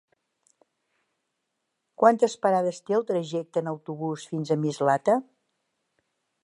Quantes parades té el trajecte en autobús fins a Mislata?